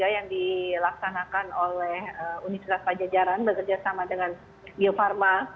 yang dilaksanakan oleh universitas pajajaran bekerja sama dengan bio farma